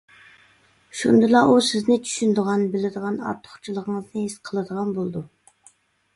شۇندىلا ئۇ سىزنى چۈشىنىدىغان، بىلىدىغان، ئارتۇقچىلىقىڭىزنى ھېس قىلىدىغان بولىدۇ.